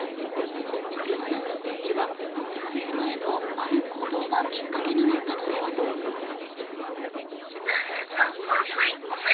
車の運転手は撮影前のある行動がきっかけになったのではといいます。